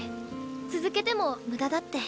続けても無駄だって。